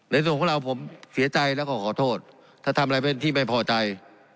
ในส่วนของเราผมเสียใจแล้วก็ขอโทษถ้าทำอะไรเป็นที่ไม่พอใจ